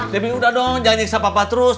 debbie udah dong jangan nyiksa papa terus